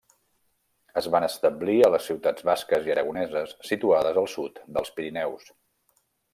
Es van establir a les ciutats basques i aragoneses situades al sud dels Pirineus.